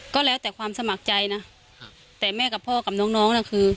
ก็แล้วแต่ความสมัครใจนะแต่แม่กับพ่อกับน้องน้องน่ะคือ